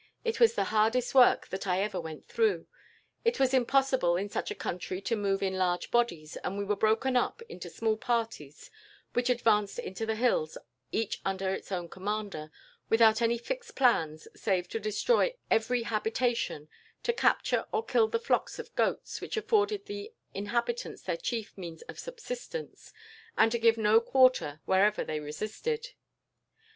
It was the hardest work that I ever went through. It was impossible in such a country to move in large bodies, and we were broken up into small parties, which advanced into the hills, each under its own commander, without any fixed plans save to destroy every habitation, to capture or kill the flocks of goats, which afforded the inhabitants their chief means of subsistence, and to give no quarter wherever they resisted.